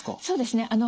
そうですね。